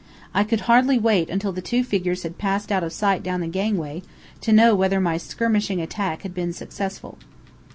I could hardly wait until the two figures had passed out of sight down the gangway, to know whether my skirmishing attack had been successful.